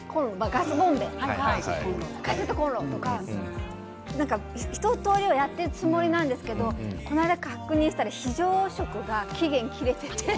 ガスボンベとかカセットコンロとか一とおりはやっているつもりなんですけどこの間、確認したら非常食が期限が切れていて。